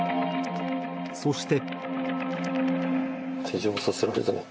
そして。